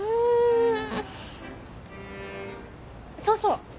そうそう！